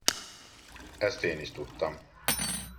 Ezt én is tudtam.